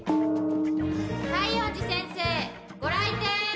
西園寺先生ご来店！